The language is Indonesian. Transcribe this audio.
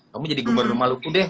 kamu jadi gomor rumah luku deh